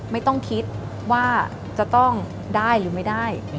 ไม่ต้องคิดว่าจะต้องได้หรือไม่ได้